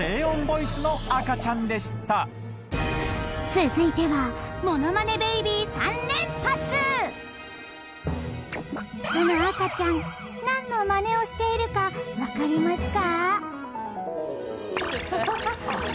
続いてはこの赤ちゃん何のマネをしているか分かりますか？